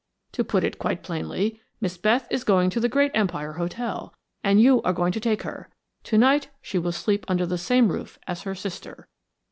To put it quite plainly, Miss Beth is going to the Great Empire Hotel, and you are going to take her. To night she will sleep under the same roof as her sister."